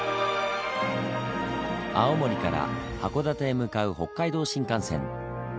青森から函館へ向かう北海道新幹線。